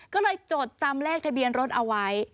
ก็เลยจดจำเลขทะเบียนรถเอาไว้